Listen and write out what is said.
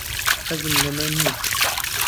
حەزم لەمە نییە.